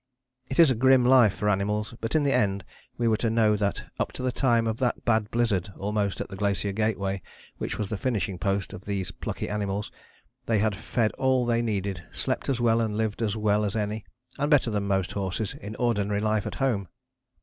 It is a grim life for animals, but in the end we were to know that up to the time of that bad blizzard almost at the Glacier Gateway, which was the finishing post of these plucky animals, they had fed all they needed, slept as well and lived as well as any, and better than most horses in ordinary life at home.